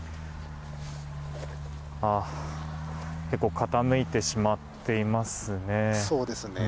結構傾いてしまっていますね。